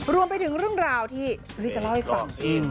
รวมไปถึงเรื่องราวที่นี่จะเล่าให้ฟัง